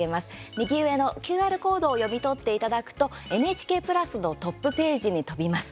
右上のＱＲコードを読み取っていただくとＮＨＫプラスのトップページに飛びます。